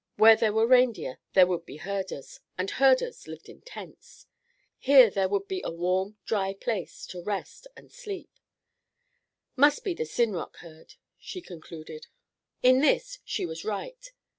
Where there were reindeer there would be herders, and herders lived in tents. Here there would be a warm, dry place to rest and sleep. "Must be the Sinrock herd," she concluded. In this she was right.